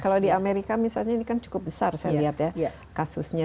kalau di amerika misalnya ini kan cukup besar saya lihat ya kasusnya